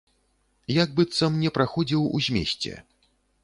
Як быццам не праходзіў у змесце!